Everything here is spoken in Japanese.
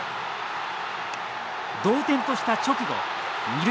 同点とした直後二塁